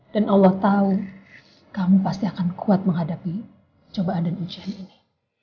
dan allah tahu kamu pasti akan kuat menghadapi cobaan dan ujian ini